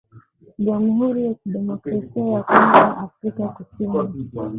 Jamuhuri ya Kidemokrasia ya Kongo na Afrika kusini